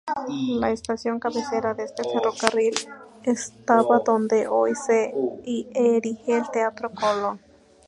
La estación cabecera de este ferrocarril estaba donde hoy se erige el Teatro Colón.